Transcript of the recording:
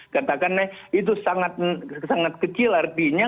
katakanlah itu sangat kecil artinya